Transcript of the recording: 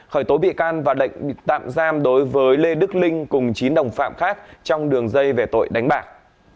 khởi tố bị can và lệnh tạm giam đối với lê đức linh cùng chín đồng phạm khác trong đường dây về tội đánh bạc